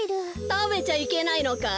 たべちゃいけないのかい？